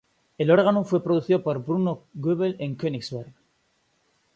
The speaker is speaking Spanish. El órgano, fue producido por Bruno Goebel en Königsberg.